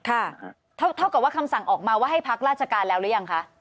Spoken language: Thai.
เท่ากับว่าคำสั่งออกมาว่าให้พักราชการแล้วหรือยังคะ